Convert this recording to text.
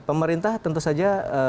pemerintah tentu saja